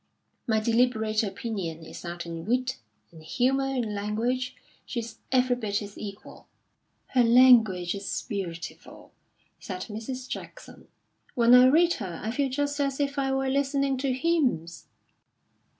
My deliberate opinion is that in wit, and humour, and language, she's every bit his equal." "Her language is beautiful," said Mrs. Jackson. "When I read her I feel just as if I were listening to hymns."